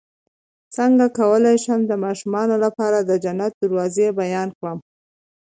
څنګه کولی شم د ماشومانو لپاره د جنت دروازې بیان کړم